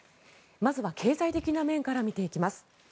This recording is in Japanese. まずは経済的な面から見ていきます。